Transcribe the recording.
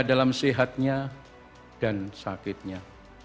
terimalah ia dalam sehatnya dan sakitnya